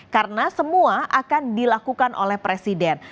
karena semua akan dilakukan oleh presiden